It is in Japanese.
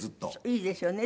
いいですよね